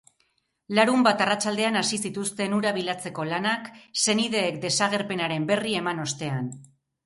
Larunbat arratsaldean hasi zituzten hura bilatzeko lanak, senideek desagerpenaren berri eman ostean.